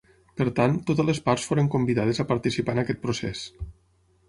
Per tant, totes les parts foren convidades a participar en aquest procés.